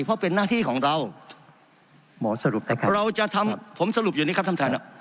เพราะเป็นหน้าที่ของเราเราจะทำผมสรุปอยู่นี้ครับท่านท่าน